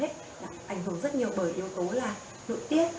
là ảnh hưởng rất nhiều bởi yếu tố là lụi tiết